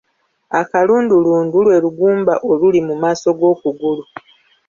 Akalundulundu lwe lugumba oluli mu maaso g’okugulu .